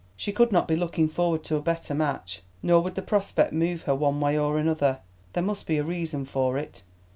She could not be looking forward to a better match. Nor would the prospect move her one way or another. There must be a reason for it.